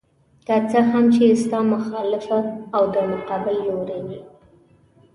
که څه هم چې ستا مخالف او د مقابل لوري وي.